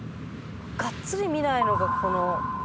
「がっつり見ないのがこの」